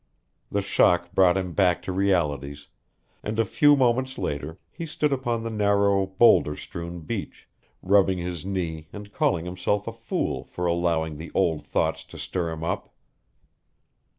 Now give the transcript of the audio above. The shock brought him back to realities, and a few moments later he stood upon the narrow boulder strewn beach, rubbing his knee and calling himself a fool for allowing the old thoughts to stir him up.